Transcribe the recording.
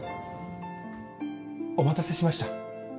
お待たせしました。